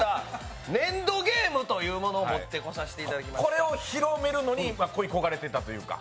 これを広めるのに恋焦がれていたというか。